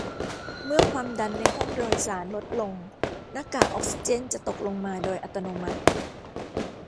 เมื่อความดันในห้องโดยสารลดลงหน้ากากออกซิเจนจะตกลงมาโดยอัตโนมัติ